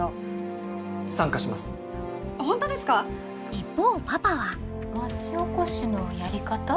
一方パパは町おこしのやり方？